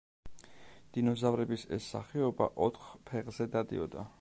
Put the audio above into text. დინოზავრების ეს სახეობა ოთხ ფეხზე დადიოდა.